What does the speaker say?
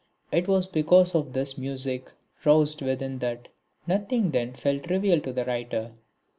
It was because of this music roused within that nothing then felt trivial to the writer.